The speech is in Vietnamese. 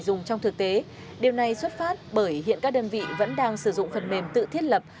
điều này xuất phát bởi hiện các đơn vị vẫn đang sử dụng phần mềm tự thiết lập